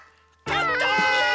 かった！